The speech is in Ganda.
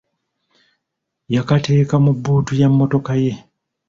Yakateeka mu bbuutu ya mmotoka ye!